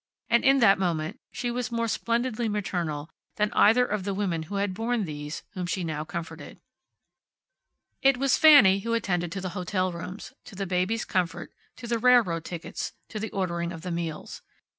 And in that moment she was more splendidly maternal than either of the women who had borne these whom she now comforted. It was Fanny who attended to the hotel rooms, to the baby's comfort, to the railroad tickets, to the ordering of the meals.